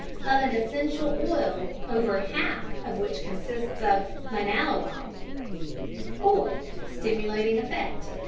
of an essential oil over half of which consists of linalool. (4) _Stimulating Effect.